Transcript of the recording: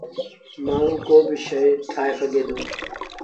مآڻهوٚݩ ڪوبا شئي ٺآهي سگھي دو۔